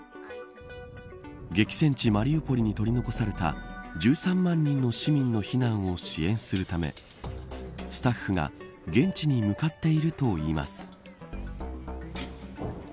激戦地マリウポリに取り残された１３万人の市民の避難を支援するためスタッフが現地に向かっているといいます。